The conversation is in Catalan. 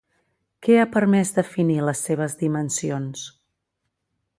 Què ha permès definir les seves dimensions?